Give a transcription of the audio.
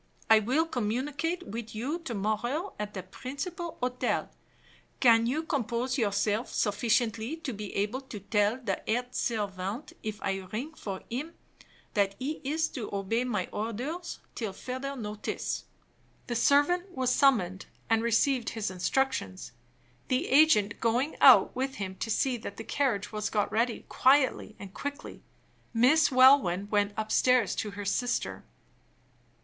I will communicate with you to morrow at the principal hotel. Can you compose yourself sufficiently to be able to tell the head servant, if I ring for him, that he is to obey my orders till further notice?" The servant was summoned, and received his instructions, the agent going out with him to see that the carriage was got ready quietly and quickly. Miss Welwyn went upstairs to her sister.